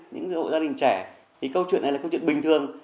những hộ gia đình trẻ thì câu chuyện này là câu chuyện bình thường